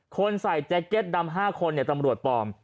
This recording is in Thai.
๑๒๓๔๕คนใส่แจ๊กเก็ตดำ๕คนเนี่ยตำรวจปลอม